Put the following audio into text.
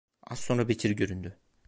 Az sonra Bekir göründü.